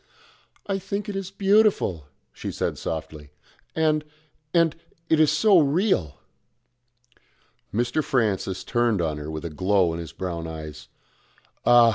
"I think it is beautiful," she said softly, "and and it is so real." Mr. Francis turned on her with a glow in his brown eyes. "Ah!